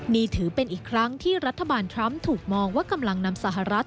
นี่ถือเป็นอีกครั้งที่รัฐบาลทรัมป์ถูกมองว่ากำลังนำสหรัฐ